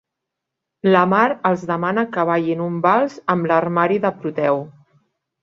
La Mar els demana que ballin un vals amb l'armari de Proteu.